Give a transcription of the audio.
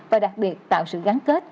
và đặc biệt tạo sự gắn kết